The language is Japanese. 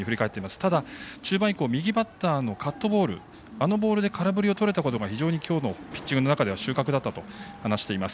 ただ中盤以降右バッターのカットボールあのボールでカウントとれたのが非常にきょうのピッチングの中では収穫だったと話しています。